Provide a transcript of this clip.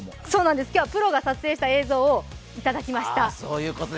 今日はプロが撮影した映像をいただきました。